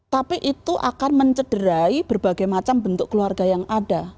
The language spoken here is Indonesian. tapi itu akan mencederai berbagai macam bentuk keluarga yang ada